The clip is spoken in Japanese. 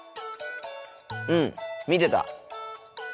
うん見てた。